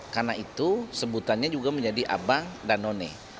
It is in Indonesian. karena itu sebutannya juga menjadi abang danone